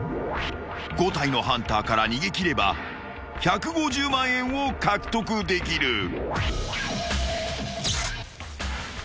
［５体のハンターから逃げ切れば１５０万円を獲得できる］